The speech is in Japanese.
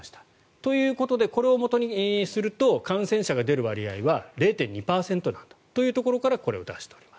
ということでこれをもとにすると感染者が出る割合は０．２％なんだというところからこれを出しております。